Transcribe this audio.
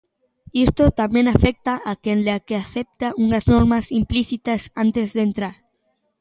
Isto tamén afecta a quen le, que acepta unhas normas implícitas antes de entrar.